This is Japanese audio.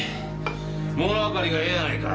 物わかりがええやないか。